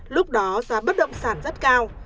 lúc đó giá bất động sản rất cao